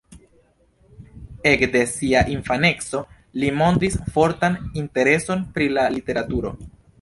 Ekde sia infaneco li montris fortan intereson pri la literaturo.